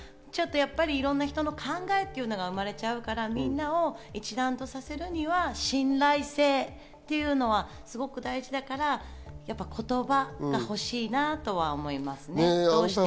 いろんな人の考えというのが生まれちゃうから、みんなを一丸とさせるには信頼性というのは大事だから、やっぱり言葉が欲しいなとは思いますね。